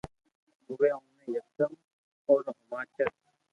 اووي اوني یڪدم اورو ھماچر